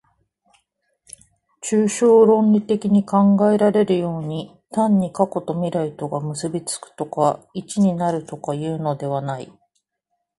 抽象論理的に考えられるように、単に過去と未来とが結び附くとか一になるとかいうのではない。